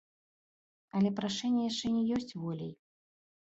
Але прашэнне яшчэ не ёсць воляй.